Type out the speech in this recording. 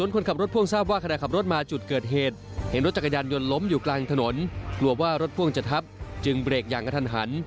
กลัวว่ารถพ่วงจะทับจึงเบรกอย่างกระทั่นหัน